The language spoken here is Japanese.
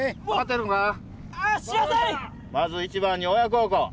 まず一番に親孝行。